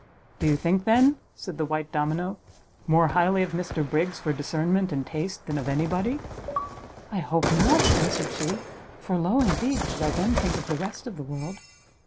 "Do you think, then," said the white domino, "more highly of Mr Briggs for discernment and taste than of any body?" "I hope not!" answered she, "for low indeed should I then think of the rest of the world!"